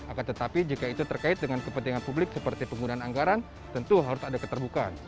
akan tetapi jika itu terkait dengan kepentingan publik seperti penggunaan anggaran tentu harus ada keterbukaan